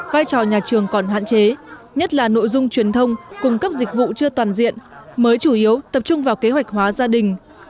vai trò nhà trường còn hạn chế nhất là nội dung truyền thông cung cấp dịch vụ chưa toàn diện mới chủ yếu tập trung vào kế hoạch hóa gia đình